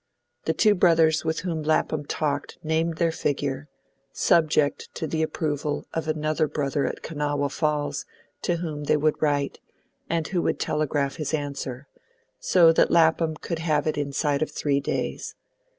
The two brothers with whom Lapham talked named their figure, subject to the approval of another brother at Kanawha Falls, to whom they would write, and who would telegraph his answer, so that Lapham could have it inside of three days.